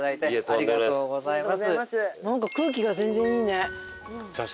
ありがとうございます。